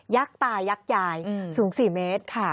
ยักษ์ตายักษ์ยายสูง๔เมตรค่ะ